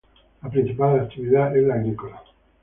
La principal actividad es la agrícola.